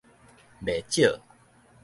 袂少